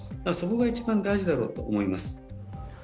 そこが一番大事だろうと思います。